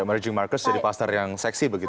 merging markets jadi pasar yang seksi begitu